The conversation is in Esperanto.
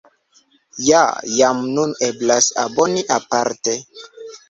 Ja jam nun eblas aboni aparte.